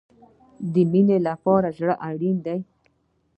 د مینې لپاره زړه اړین دی